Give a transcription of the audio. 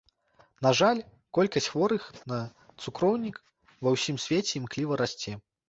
На жаль, колькасць хворых на цукроўнік ва ўсім свеце імкліва расце.